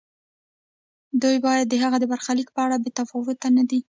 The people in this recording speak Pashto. دوی باید د هغه د برخلیک په اړه بې تفاوت نه وي.